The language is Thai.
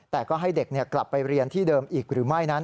แต่ก็ให้เด็กกลับไปเรียนที่เดิมอีกหรือไม่นั้น